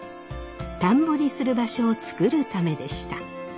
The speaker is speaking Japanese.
田んぼにする場所を作るためでした。